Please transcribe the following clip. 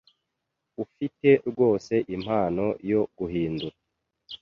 Ufite rwose impano yo guhindura.